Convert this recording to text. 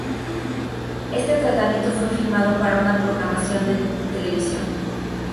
Este tratamiento fue filmado para un programa de televisión.